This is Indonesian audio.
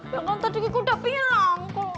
ya kan tadi gigi udah bilang